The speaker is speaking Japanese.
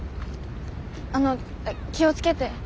あの気を付けで。